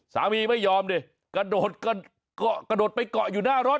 สามีไม่ยอมดิกระโดดกันก่อไปก่อยูร่านรถ